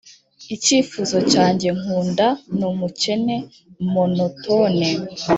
icyifuzo cyanjye nkunda; n'umukene monotone,